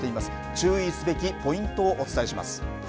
注意すべきポイントをお伝えします。